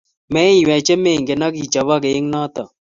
meiywey che mengen akichoboke eng' notok